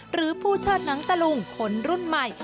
หรือผู้เชิดหนังตะลุงคนรุ่นใหม่